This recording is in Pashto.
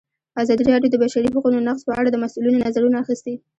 ازادي راډیو د د بشري حقونو نقض په اړه د مسؤلینو نظرونه اخیستي.